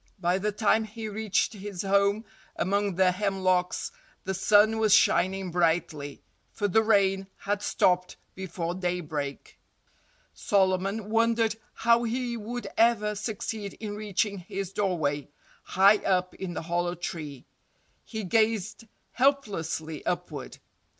By the time he reached his home among the hemlocks the sun was shining brightly—for the rain had stopped before daybreak. Solomon wondered how he would ever succeed in reaching his doorway, high up in the hollow tree. He gazed helplessly upward.